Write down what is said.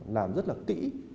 làm rất là kĩ